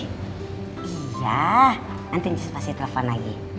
iya nanti pasti telepon lagi